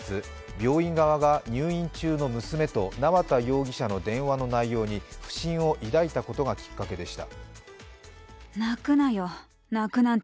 病院側が入院中の娘と繩田容疑者の電話の内容に不審を抱いたことがきっかけでした。